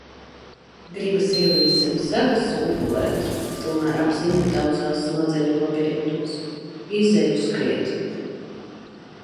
Gribas ielīst zem segas un gulēt, tomēr apziņa dauzās smadzeņu labirintos. Izeju skriet.